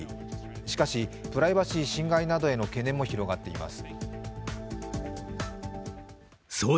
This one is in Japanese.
しかし、プライバシー侵害などへの懸念も広がっています。